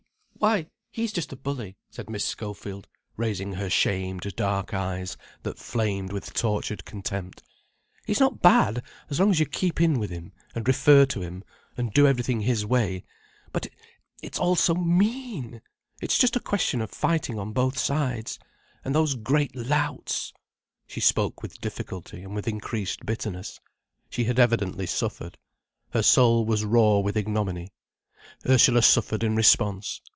—why, he's just a bully," said Miss Schofield, raising her shamed dark eyes, that flamed with tortured contempt. "He's not bad as long as you keep in with him, and refer to him, and do everything in his way—but—it's all so mean! It's just a question of fighting on both sides—and those great louts——" She spoke with difficulty and with increased bitterness. She had evidently suffered. Her soul was raw with ignominy. Ursula suffered in response.